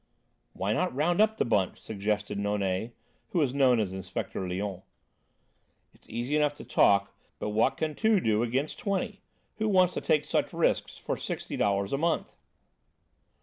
"Why not round up the bunch?" suggested Nonet, who was known as Inspector Léon. "It's easy enough to talk, but what can two do against twenty? Who wants to take such risks for sixty dollars a month?"